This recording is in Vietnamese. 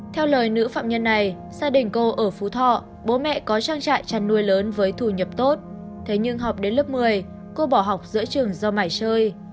theo lời nữ phạm nhân này gia đình cô ở phú thọ bố mẹ có trang trại chăn nuôi lớn với thù nhập tốt thế nhưng học đến lớp một mươi cô bỏ học giữa trường do mải chơi